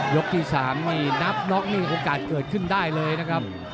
ที่๓นี่นับน็อกนี่โอกาสเกิดขึ้นได้เลยนะครับ